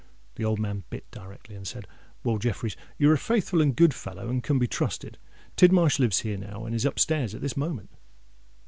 The old man bit directly, and said, '_Well, Jeffreys, you're a faithful and good fellow, and can be trusted. Tidmarsh lives here now, and is up stairs at this moment.